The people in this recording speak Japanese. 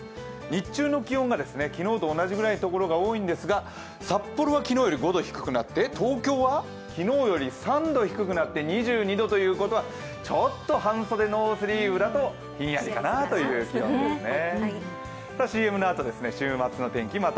日中の気温が昨日と同じくらいの所が多いんですが、札幌は昨日より５度低くなって東京は昨日より３度低くなって２２度ということはちょっと半袖、ノースリーブだとひんやりかなという気温ですね。